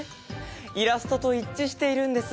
イラストと一致しているんです。